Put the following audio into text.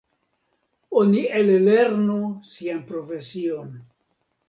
Oni ellernu sian profesion.